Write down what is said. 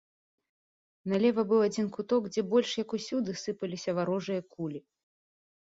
Налева быў адзін куток, дзе больш, як усюды, сыпаліся варожыя кулі.